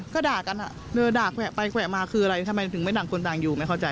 ก็ด่ากันอ่ะเออด่าแวะไปแวะมาคืออะไรทำไมถึงไม่ต่างคนต่างอยู่ไม่เข้าใจ